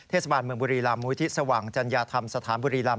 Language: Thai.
เทศบาลเมืองบุรีรำมูลที่สว่างจัญญาธรรมสถานบุรีรำ